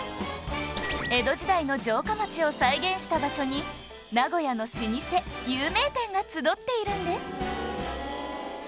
江戸時代の城下町を再現した場所に名古屋の老舗有名店が集っているんです